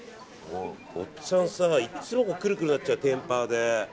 おっちゃんさ、いつもクルクルなっちゃうの天パーで。